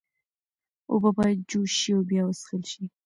اوبه باید جوش شي او بیا وڅښل شي۔